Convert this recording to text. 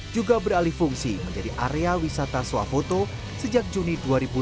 juga beralih fungsi menjadi area wisata swapoto sejak juni dua ribu delapan belas